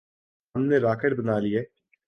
ہم نے راکٹ بنا لیے۔